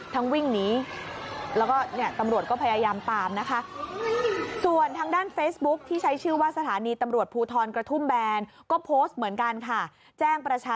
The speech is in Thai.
ทั้งวิ่งหนีแล้วก็ตำรวจก็พยายามตามนะคะ